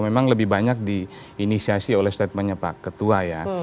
memang lebih banyak diinisiasi oleh statementnya pak ketua ya